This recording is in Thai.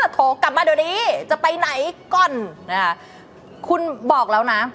โทรกลับมาเดี๋ยวนี้จะไปไหนก่อนนะคะคุณบอกแล้วนะ